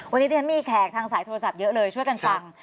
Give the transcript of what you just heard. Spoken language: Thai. วันนี้ที่ฉันมีแขกทางสายโทรศัพท์เยอะเลยช่วยกันฟัง